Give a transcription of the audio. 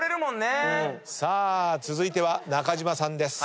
さあ続いては中島さんです。